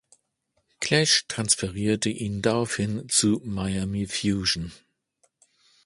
Clash transferierte ihn daraufhin zu Miami Fusion.